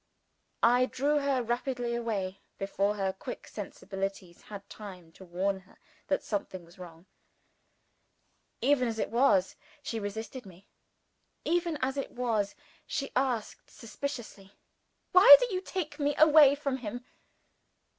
I drew her rapidly away, before her quick sensibilities had time to warn her that something was wrong. Even as it was, she resisted me. Even as it was, she asked suspiciously, "Why do you take me away from him?"